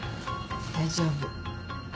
大丈夫。